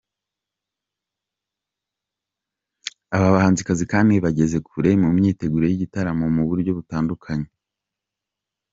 Aba bahanzikazi kandi bageze kure imyiteguro y’iki gitaramo mu buryo butandukanye.